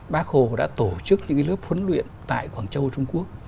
bác hồ đã tổ chức những lớp huấn luyện tại quảng châu trung quốc